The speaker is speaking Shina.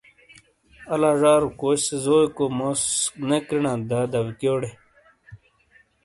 آلا ژارو کوسے زوئیکو موس نے کریݨانت دادبیکیوٹے؟